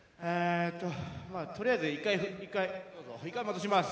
とりあえず、１回外します。